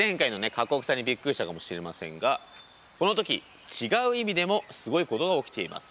過酷さにびっくりしたかもしれませんがこの時違う意味でもすごいことが起きています。